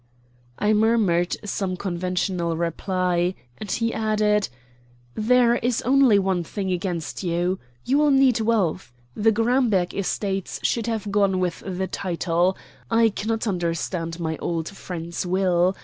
I murmured some conventional reply, and he added: "There is only one thing against you. You will need wealth. The Gramberg estates should have gone with the title. I cannot understand my old friend's will.